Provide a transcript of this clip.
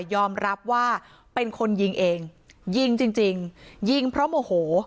ยอมรับว่าเป็นคนยิงเองยิงจริงยิงเพราะโมโห